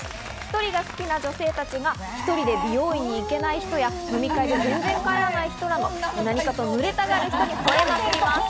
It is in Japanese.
１人が好きな女性たちが１人で美容院に行けない人や飲み会で全然帰らない人など、何かと群れたがる人に吠えまくります。